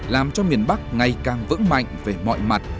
làm cho miền bắc ngày càng vững mạnh về mọi mặt